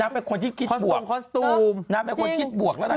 นางเป็นคนที่คิดบวกคอสตูมคอสตูม